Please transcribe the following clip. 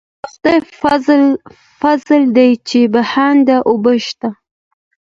د خدای فضل دی چې بهانده اوبه شته.